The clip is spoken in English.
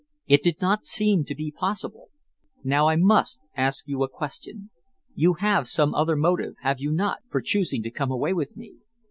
It did not seem to be possible. Now I must ask you a question. You have some other motive, have you not, for choosing to come away with me?